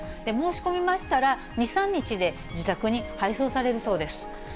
申し込みましたら、２、３日で自宅に配送されるそうです。